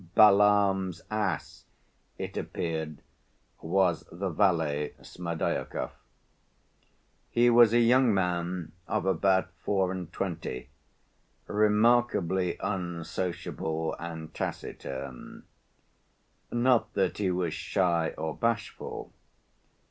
Balaam's ass, it appeared, was the valet, Smerdyakov. He was a young man of about four and twenty, remarkably unsociable and taciturn. Not that he was shy or bashful.